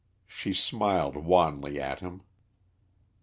She smiled wanly at him.